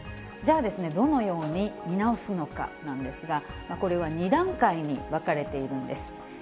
じゃあですね、どのように見直すのかなんですが、これは２段階に分かれているんです。